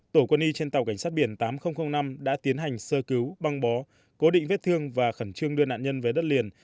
tổ quân y trên tàu cảnh sát biển tám nghìn năm đã tiến hành sơ cứu băng bó cố định vết thương và khẩn trương đưa nạn nhân về đất liền